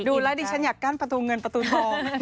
ดูแล้วดิฉันอยากกั้นประตูเงินประตูทอง